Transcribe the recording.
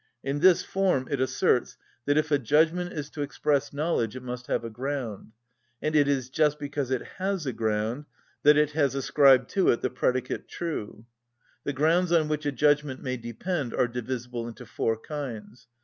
In this form it asserts that if a judgment is to express knowledge it must have a ground; and it is just because it has a ground that it has ascribed to it the predicate true. The grounds on which a judgment may depend are divisible into four kinds.